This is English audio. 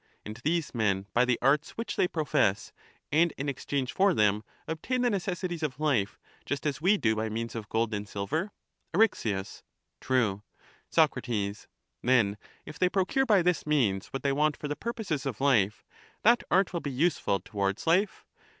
And these men by the arts which they profess, and in exchange for them, obtain the necessities of life just as we do by means of gold and silver? Eryx. True. Soc. Then if they procure by this means what they want for the purposes of life, that art will be useful towards life?